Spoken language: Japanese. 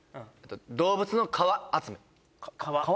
動物の皮集め皮？